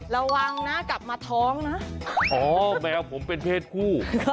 ระวังนะกลับมาท้องนะอ๋อแมวผมเป็นเพศคู่